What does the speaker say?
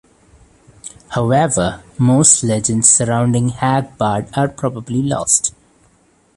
However, most legends surrounding Hagbard are probably lost.